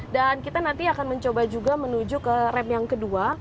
dan kita nanti akan mencoba juga menuju ke rem yang kedua